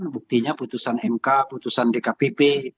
buktinya putusan mk putusan dkpp